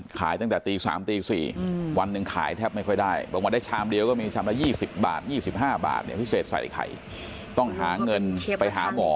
ขายตั้งแต่ตี๓ตี๔